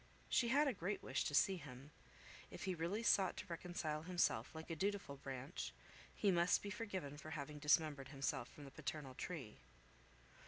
She had a great wish to see him. If he really sought to reconcile himself like a dutiful branch, he must be forgiven for having dismembered himself from the paternal tree.